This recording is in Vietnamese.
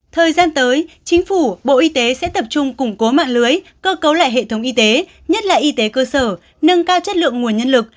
thời gian tới chính phủ bộ y tế sẽ tập trung củng cố mạng lưới cơ cấu lại hệ thống y tế nhất là y tế cơ sở nâng cao chất lượng nguồn nhân lực